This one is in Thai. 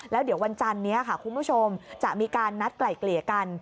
แล้วเดี๋ยววันจันนี้ค่ะคุณผู้ชมจะมีการนัดไกล่เกลี่ยกัน